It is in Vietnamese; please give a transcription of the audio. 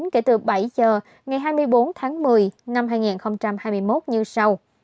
kể từ bảy giờ ngày hai mươi bốn tháng một mươi năm hai nghìn hai mươi một như sau